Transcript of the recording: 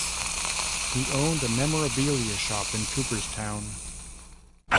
He owned a memorabilia shop in Cooperstown.